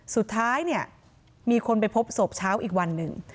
สุดท้ายเนี่ยมีคนไปพบศพเช้าอีกวันหนึ่ง